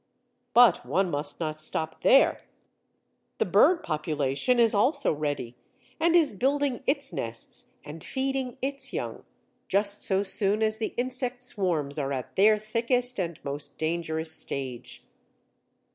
But one must not stop there; the bird population is also ready, and is building its nests and feeding its young, just so soon as the insect swarms are at their thickest and most dangerous stage.